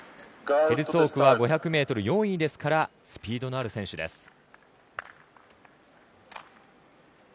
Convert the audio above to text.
ヘルツォークは５００ｍ４位ですからスピードのある選手です。